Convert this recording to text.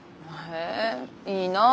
えいいなあ。